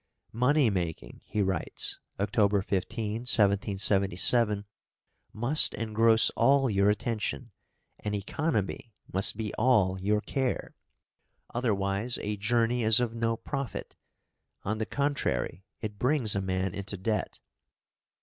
"Money making," he writes (October 15, 1777), "must engross all your attention, and economy must be all your care, otherwise a journey is of no profit; on the contrary, it brings a man into debt."